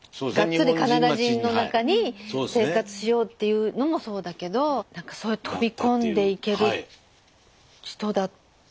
ガッツリカナダ人の中に生活しようっていうのもそうだけど何かそういう飛び込んでいける人だった。